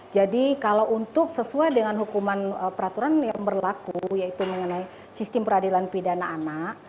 jadi kalau untuk sesuai dengan hukuman peraturan yang berlaku yaitu mengenai sistem peradilan pidana anak